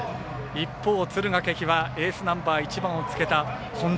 一方、敦賀気比はエースナンバー１番を着けた本田。